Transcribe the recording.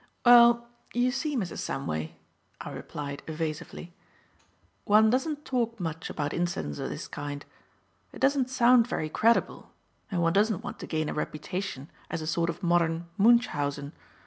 "Well, you see, Mrs. Samway," I replied evasively, "one doesn't talk much about incidents of this kind. It doesn't sound very credible, and one doesn't want to gain a reputation as a sort of modern Munchausen.